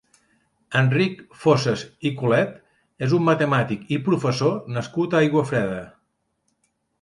Enric Fossas i Colet és un matemàtic i professor nascut a Aiguafreda.